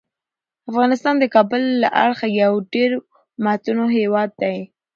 افغانستان د کابل له اړخه یو ډیر متنوع هیواد دی.